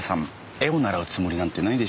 絵を習うつもりなんてないでしょう？